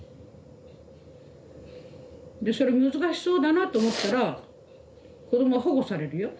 でそれ難しそうだなと思ったら子どもは保護されるよ。